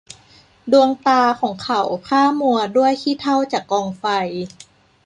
ดวงตาของเขาพร่ามัวด้วยขี้เถ้าจากกองไฟ